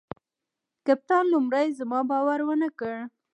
کپتان لومړي زما باور ونه کړ.